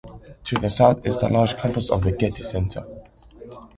To the south is the large campus of the Getty Center.